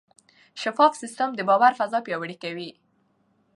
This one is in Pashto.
شفاف سیستم د باور فضا پیاوړې کوي.